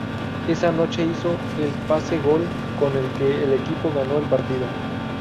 Esa noche hizo el pase gol con el que el equipo ganó el partido.